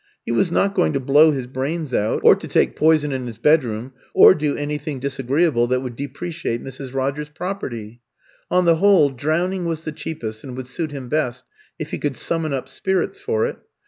He was not going to blow his brains out, or to take poison in his bedroom, or do anything disagreeable that would depreciate Mrs. Rogers's property. On the whole, drowning was the cheapest, and would suit him best, if he could summon up spirits for it.